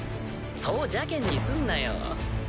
そう邪けんにすんなよ。